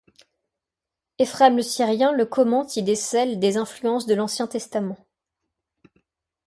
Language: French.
Éphrem le Syrien le commente y décèle des influences de l’Ancien Testament.